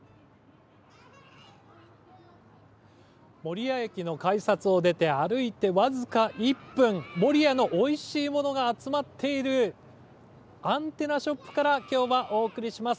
守谷駅の改札を出て歩いて僅か１分、守谷のおいしいものが集まっているアンテナショップからきょうはお送りします。